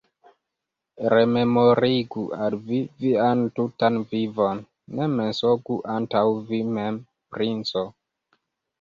Rememorigu al vi vian tutan vivon, ne mensogu antaŭ vi mem, princo!